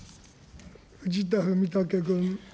藤田文武君。